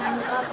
sekang si bapak